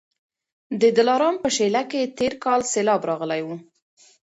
د دلارام په شېله کي تېر کال سېلاب راغلی و